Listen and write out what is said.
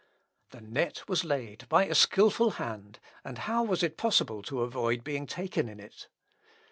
The net was laid by a skilful hand, and how was it possible to avoid being taken in it?